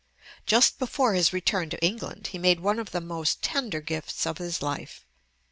Just before his return to England, he made one of the most tender gifts of his life.